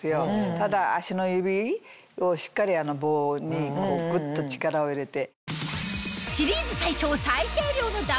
ただ足の指をしっかりあの棒にグッと力を入れて。